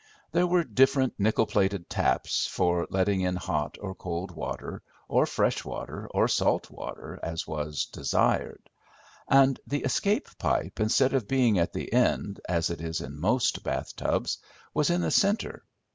There were different nickel plated taps for letting in hot or cold water, or fresh water or salt water as was desired; and the escape pipe instead of being at the end, as it is in most bath tubs, was in the centre.